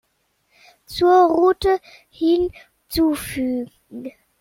Zur Route hinzufügen.